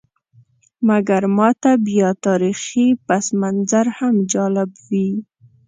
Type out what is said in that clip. مګر ماته بیا تاریخي پسمنظر هم جالب وي.